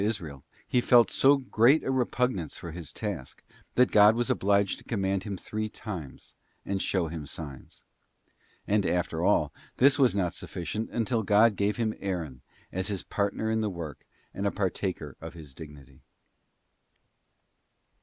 Israel, he felt so great a repugnance for his task, that God ————— was obliged to command him three times, and show him signs. And after all, this was not sufficient until God gave him Aaron, as his partner in the work, and a partaker of his dignity.